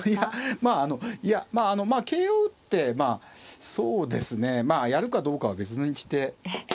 まああのいやまああの桂を打ってそうですねまあやるかどうかは別にして。